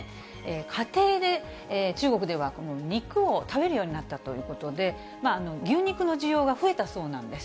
家庭で中国では肉を食べるようになったということで、牛肉の需要が増えたそうなんです。